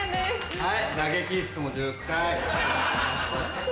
はい。